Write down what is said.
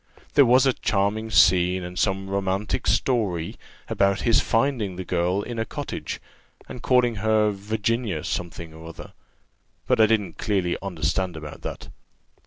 There was a charming scene, and some romantic story, about his finding the girl in a cottage, and calling her Virginia something or other, but I didn't clearly understand about that.